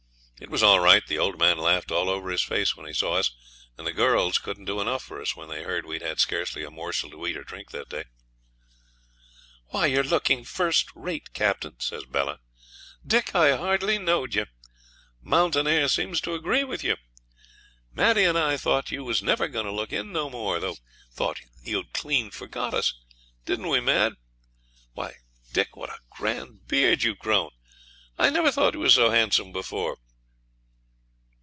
It was all right. The old man laughed all over his face when he saw us, and the girls couldn't do enough for us when they heard we'd had scarce a morsel to eat or drink that day. 'Why, you're looking first rate, Captain!' says Bella. 'Dick, I hardly knowed ye the mountain air seems to agree with you. Maddie and I thought you was never going to look in no more. Thought you'd clean forgot us didn't we, Mad? Why, Dick, what a grand beard you've grown! I never thought you was so handsome before!'